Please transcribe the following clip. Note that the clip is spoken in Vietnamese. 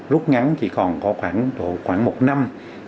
lúc ngắn chỉ còn có khoảng một năm